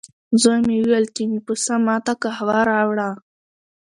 زوی مې وویل، چې مې پسه ما ته قهوه راوړه.